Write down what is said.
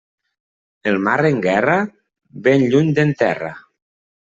El mar en guerra?, ben lluny d'en terra.